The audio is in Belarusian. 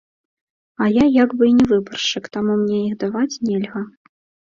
А я як бы і не выбаршчык, таму мне іх даваць нельга.